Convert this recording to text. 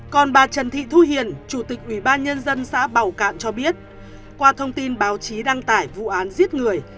còn bà trần thị thu hiền chủ tịch ubnd xã bàu cạn cho biết qua thông tin báo chí đăng tải vụ án giết người